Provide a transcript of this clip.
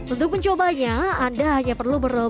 untuk mencobanya anda hanya perlu